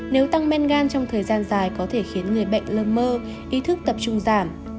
nếu tăng men gan trong thời gian dài có thể khiến người bệnh lơ mơ ý thức tập trung giảm